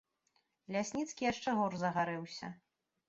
Лясніцкі яшчэ горш загарэўся.